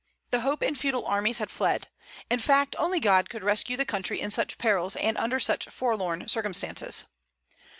The hope in feudal armies had fled. In fact, only God could rescue the country in such perils and under such forlorn circumstances.